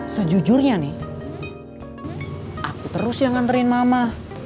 sejujurnya nih aku terus yang nganterin mama